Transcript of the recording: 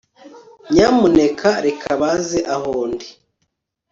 nyamuneka reka baze aho ndi